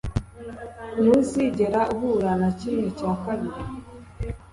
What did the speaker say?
ntuzigera uhura na kimwe cya kabiri,